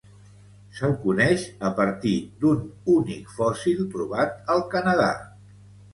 Se'l coneix a partir d'un únic fòssil trobat al Canadà.